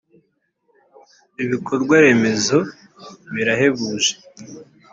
ibikorwaremezo birahebuje